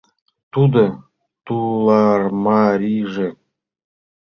Тудо тулармарийже